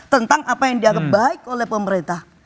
tentang apa yang dianggap baik oleh pemerintah